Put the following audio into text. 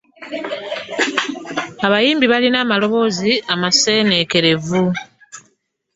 Abayimbi balina amaloboozi amaseenekerevu.